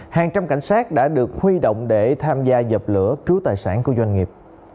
hàng trăm cảnh sát đã được huy động để tham gia dập lửa cứu tài sản của doanh nghiệp